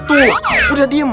tuh udah diem